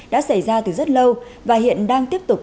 đã xảy ra từ rất lâu và hiện đang tiếp tục